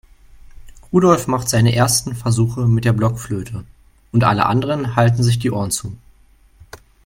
Rudolf macht seine ersten Versuche mit der Blockflöte und alle anderen halten sich die Ohren zu.